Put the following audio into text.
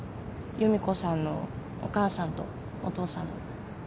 由美子さんのお母さんとお父さんの。